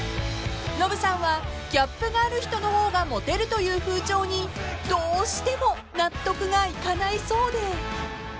［ノブさんはギャップがある人の方がモテるという風潮にどうしても納得がいかないそうで］